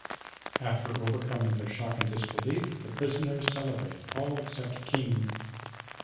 After overcoming their shock and disbelief, the prisoners celebrate - all except King.